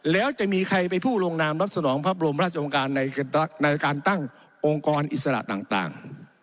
แล้วจะมีใครไปผู้ลงนามรับสนองพระบรมราชองค์การในการตั้งองค์กรอิสระต่าง